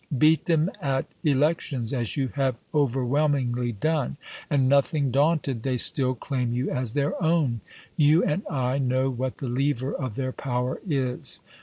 Beat them at elections, as you have overwhelmingly done, and, nothing daunted, they still claim you as their own. You and I know what the lever of their power is.